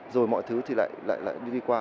rồi mọi thứ thì lại đi qua